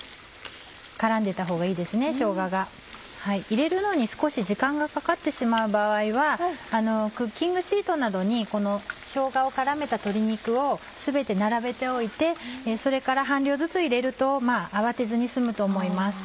入れるのに少し時間がかかってしまう場合はクッキングシートなどにこのしょうがを絡めた鶏肉を全て並べておいてそれから半量ずつ入れると慌てずに済むと思います。